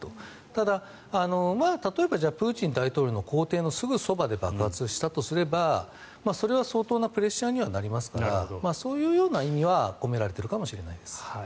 ただ、例えばプーチン大統領の公邸のすぐそばで爆発したとすれば、それは相当なプレッシャーにはなりますからそういうような意味は込められているかもしれないです。